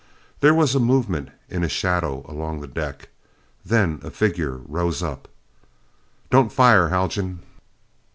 There was a movement in a shadow along the deck. Then a figure rose up. "Don't fire, Haljan!"